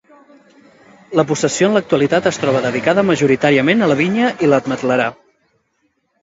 La possessió en l'actualitat es troba dedicada majoritàriament a la vinya i l'ametlerar.